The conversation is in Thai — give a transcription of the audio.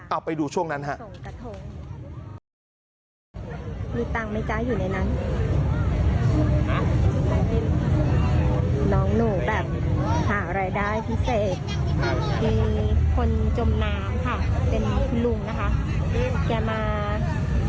เอาไปดูช่วงนั้นครับ